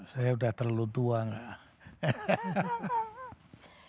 saya udah terlalu tua kak